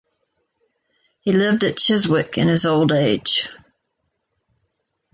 He lived at Chiswick in his old age.